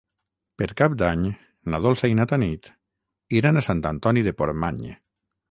Per Cap d'Any na Dolça i na Tanit iran a Sant Antoni de Portmany.